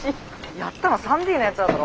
やったの３Ｄのやつらだろ？